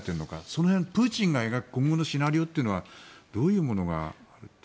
その辺、プーチンが描く今後のシナリオというのはどういうものがあると。